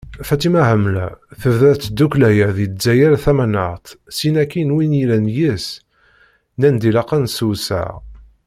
Faṭima Hamla: Tebda tddukkla-a di Lezzayer tamanaɣt, syin akkin wid yellan deg-s nnan-d ilaq ad nessewseɛ.